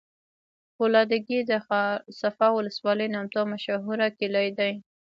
فولادګی د ښارصفا ولسوالی نامتو او مشهوره کلي دی